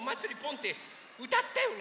ってうたったよね！